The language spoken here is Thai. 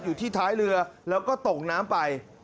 อยู่ที่ท้ายเรือแล้วก็ตกน้ำไป